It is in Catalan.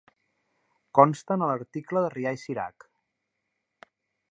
Consten a l'article de Rià i Cirac.